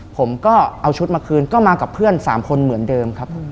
ผมก็เอาชุดมาคืนก็มากับเพื่อน๓คนเหมือนเดิมครับ